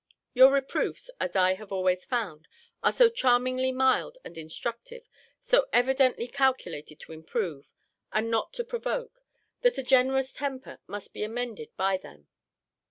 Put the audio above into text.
Your reproofs, as I have always found, are so charmingly mild and instructive; so evidently calculated to improve, and not to provoke; that a generous temper must be amended by them.